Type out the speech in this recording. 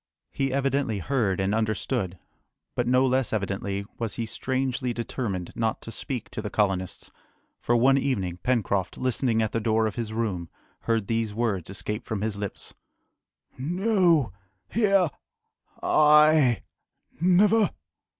He evidently heard and understood, but no less evidently was he strangely determined not to speak to the colonists; for one evening, Pencroft, listening at the door of his room, heard these words escape from his lips: "No! here! I! never!"